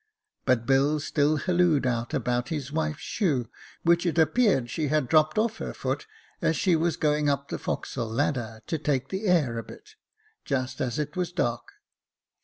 But Bill still hallooed out about his wife's shoe, which it appeared she had dropped off her foot as she was going up the forecastle ladder to take the air a bit, just as it was dark.